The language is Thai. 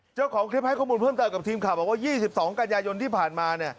เจ้าของคลิปให้ข้อมูลเพิ่มเติมกับทีมข่าวบอกว่า๒๒กันยายนที่ผ่านมา